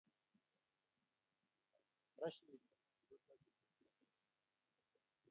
Rashid nikotokimuti